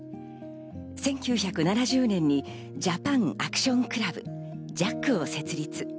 １９７０年にジャパンアクションクラブ、ＪＡＣを設立。